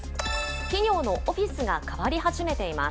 企業のオフィスが変わり始めています。